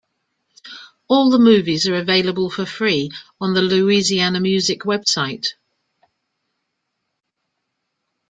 All the movies are available for free on the Louisiana Music website.